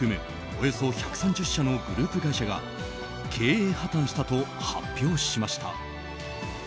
およそ１３０社のグループ会社が経営破綻したと発表しました。